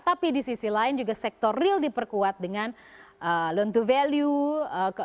tapi di sisi lain juga sektor real diperkuat dengan loan to value